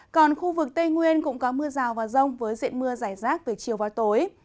còn khu vực tây nguyên cũng có mưa rào và rông với diện mưa rải rác từ chiều vào tối